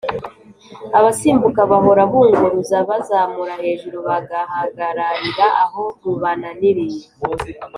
abasimbuka bahora bunguruza bazamura hejuru bagahagararira aho rubananiriye.